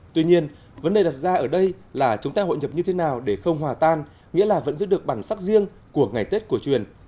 tuy nhiên vấn đề đặt ra ở đây là chúng ta hội nhập như thế nào để không hòa tan nghĩa là vẫn giữ được bản sắc riêng của ngày tết cổ truyền